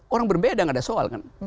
orang berbeda gak ada soal kan